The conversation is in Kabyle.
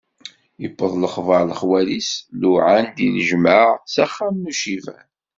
Yewweḍ lexbar xwal-is, luɛan-d i lejmaɛ s axxam n uciban.